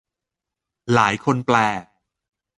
หลายคนแปล